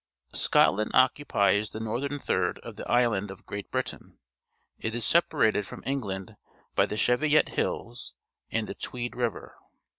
— Scotland occu pies the northern tliird of the island of Great Britain. It is separated from England by the Cheviot Hilh and the Tweed River.